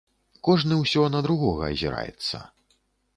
Кожны ўсё на другога азіраецца.